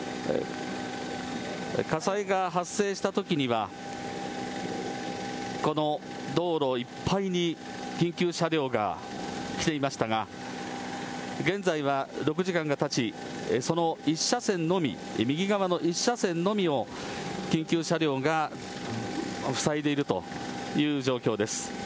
火災が発生したときには、この道路いっぱいに緊急車両が来ていましたが、現在は６時間がたち、その１車線のみ、右側の１車線のみを、緊急車両が塞いでいるという状況です。